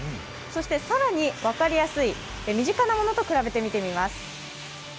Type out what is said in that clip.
そして更に分かりやすい身近なものと比べてみてみます。